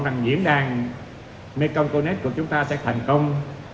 một lần nữa tôi hy vọng rằng diễn đàn mekong connect của chúng ta sẽ thành công